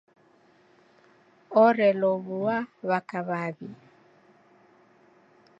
Orelow'ua w'aka w'aw'i.